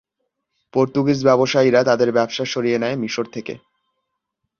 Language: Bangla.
পর্তুগীজ ব্যবসায়ীরা তাদের ব্যবসা সরিয়ে নেয় মিশর থেকে।